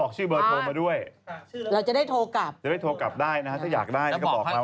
ขึ้นนั่นเดี่ยวหวัยถึงขนาดนั้นเลย